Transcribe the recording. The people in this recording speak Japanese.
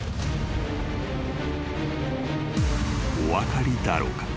［お分かりだろうか？